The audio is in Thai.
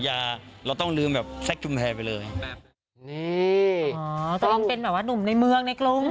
อย่าเราต้องลืมแบบแซคชุมแพรไปเลยนี่อ๋อตัวเองเป็นแบบว่าหนุ่มในเมืองในกรุง